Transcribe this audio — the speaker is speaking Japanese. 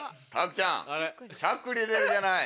しゃっくり出るじゃない。